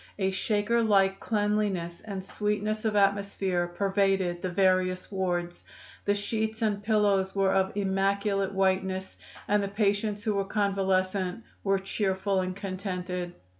A Shaker like cleanliness and sweetness of atmosphere pervaded the various wards; the sheets and pillows were of immaculate whiteness and the patients who were convalescent were cheerful and contented.